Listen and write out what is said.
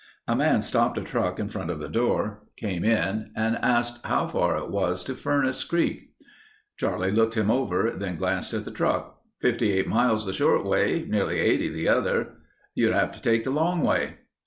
A man stopped a truck in front of the door, came in and asked how far it was to Furnace Creek. Charlie looked him over, then glanced at the truck. "Fifty eight miles the short way. Nearly 80 the other. You'll have to take the long way."